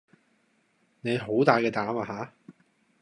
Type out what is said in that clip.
你好大嘅膽呀吓